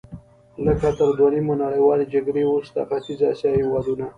لکه تر دویمې نړیوالې جګړې وروسته ختیځې اسیا هېوادونه.